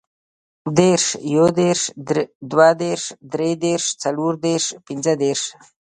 دېرس, یودېرس, دودېرس, درودېرس, څلوردېرس, پنځهدېرس